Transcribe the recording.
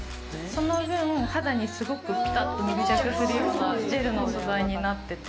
その分肌にすごくピタっと密着するようなジェルの素材になってて。